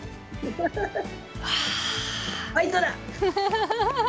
ファイトだ！